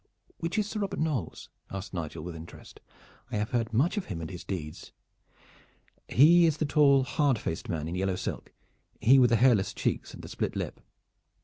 "Which is Sir Robert Knolles?" asked Nigel with interest. "I have heard much of him and his deeds." "He is the tall hard faced man in yellow silk, he with the hairless cheeks and the split lip.